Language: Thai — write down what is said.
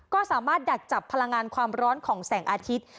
ก็สามารถดักจับพลังงานความร้อนของแสงอาทิตย์